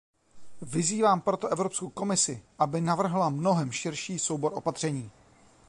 Vyzývám proto Evropskou komisi, aby navrhla mnohem širší soubor opatření.